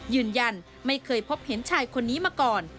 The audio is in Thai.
ยืนยันไม่เคยพบเห็นชายคนนี้มาก่อน